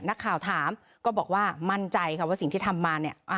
นักข่าวถามก็บอกว่ามั่นใจค่ะว่าสิ่งที่ทำมาเนี่ย